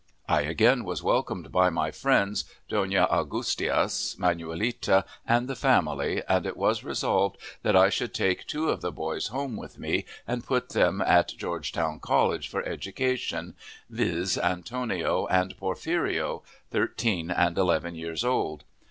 I again was welcomed by my friends, Dona Augustias, Manuelita, and the family, and it was resolved that I should take two of the boys home with me and put them at Georgetown College for education, viz., Antonio and Porfirio, thirteen and eleven years old.